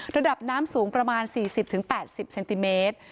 ระดับน้ำสูงประมาณ๔๐๘๐เซนติเมตร